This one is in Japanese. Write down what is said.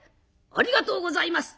「ありがとうございます。